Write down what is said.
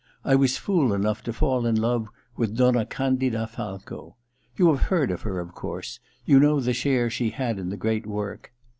I was fool enough to fall in love with Donna Candida Falco. You have heard of her, of course : you know the share she had in the great work.